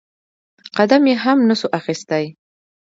قدم يې هم نسو اخيستى.